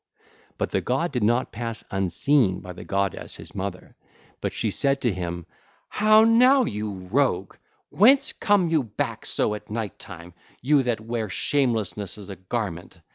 (ll. 155 161) But the god did not pass unseen by the goddess his mother; but she said to him: 'How now, you rogue! Whence come you back so at night time, you that wear shamelessness as a garment?